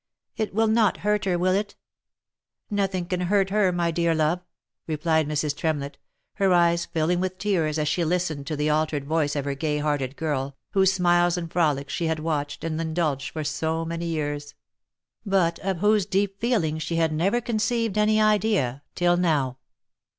" It will not hurt her, will it ?"" Nothing can hurt her, my dear love !" replied Mrs. Tremlett, her eyes filling with tears as she listened to the altered voice of her gay hearted girl, whose smiles and frolics she had watched, and indulged, for so many years ; but of whose deep feeling she had never conceived any idea till now.